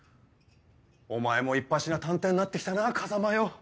お前もいっぱしの探偵になって来たな風真よ。